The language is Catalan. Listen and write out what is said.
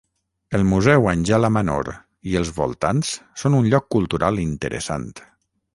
El museu Anjala Manor i els voltants són un lloc cultural interessant.